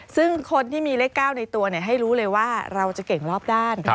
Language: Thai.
ซึ่งคนที่มีเลข๙ในตัวให้รู้เลยว่าเราจะเก่งรอบด้าน